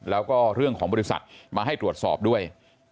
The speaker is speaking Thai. แล้วก็เรื่องของบริษัทมาให้ตรวจสอบด้วย